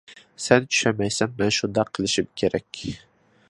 -سەن چۈشەنمەيسەن، مەن شۇنداق قىلىشىم كېرەك.